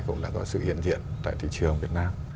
cũng đã có sự hiện diện tại thị trường việt nam